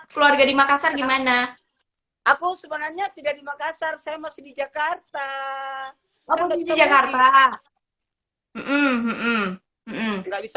keluarga di makassar gimana aku sebenarnya tidak di makassar saya masih di jakarta tidak bisa